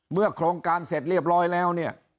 โครงการเสร็จเรียบร้อยแล้วเนี่ย